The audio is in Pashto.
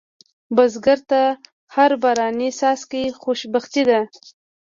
بزګر ته هر باراني څاڅکی خوشبختي ده